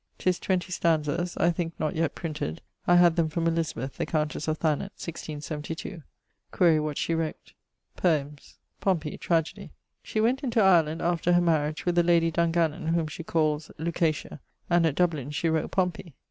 'Tis 20 stanzas I thinke not yet printed I had them from Elizabeth, the countesse of Thanet, 1672. Quaere what shee wrote? Poemes. Pompey tragedy. She went into Ireland (after her mariage) with the lady Dungannon (whom she calles Lucatia); and at Dublin she wrote Pompey.